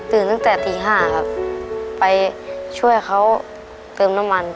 ตั้งแต่ตี๕ครับไปช่วยเขาเติมน้ำมัน